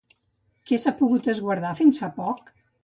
Què s'ha pogut esguardar fins fa poc?